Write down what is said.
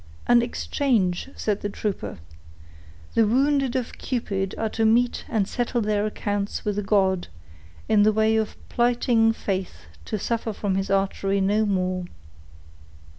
"An exchange," said the trooper. "The wounded of Cupid are to meet and settle their accounts with the god, in the way of plighting faith to suffer from his archery no more."